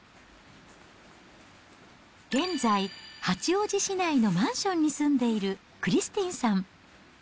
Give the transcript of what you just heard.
現在、八王子市内のマンションに住んでいるクリスティンさん。